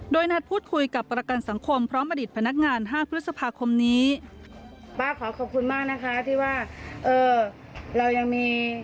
โดยนัดพูดคุยกับประกันสังคมพร้อมอดิษฐ์พนักงาน๕พฤษภาคมนี้